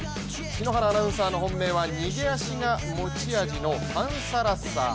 篠原アナウンサーの本命は逃げ足が持ち味のパンサラッサ。